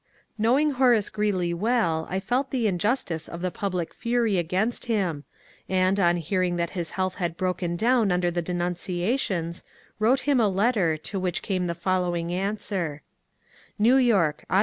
Knowing Horace Grreeley well, I felt the injustice of the public fury against him, and, on hearing that his health had broken down under the denunciations, wrote him a letter, to which came the following answer :— New York, Aug.